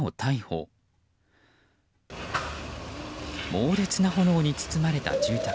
猛烈な炎に包まれた住宅。